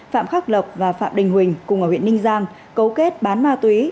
phạm khắc lộc và phạm đình huỳnh cùng ở huyện ninh giang cấu kết bán ma túy